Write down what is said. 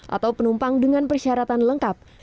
atau penumpang dengan persyaratan lengkap